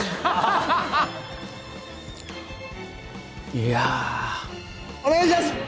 いやーお願いします！